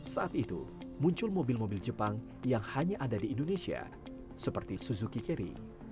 saat itu muncul mobil mobil jepang yang hanya ada di indonesia seperti suzuki carry